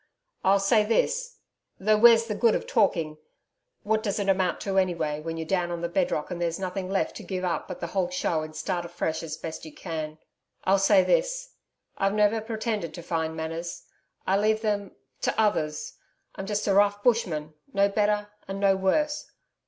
'I'll say this though where's the good of talking.... What does it amount to anyway, when you're down on the bedrock, and there's nothing left but to give up the whole show and start fresh as best you can? I'll say this I've never pretended to fine manners I leave them to others. I'm just a rough bushman, no better and no worse.